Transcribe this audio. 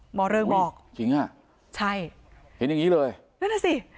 เริงบอกจริงอ่ะใช่เห็นอย่างงี้เลยนั่นน่ะสิ